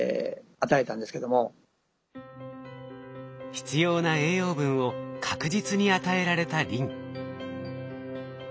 必要な栄養分を確実に与えられたリン。